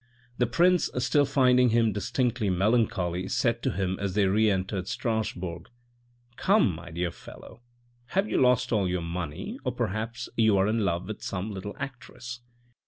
The prince still finding him distinctly melancholy, said to him as they re entered Strasbourg. " Come, my dear fellow, have you lost all your money, or perhaps you are in love with some little actress.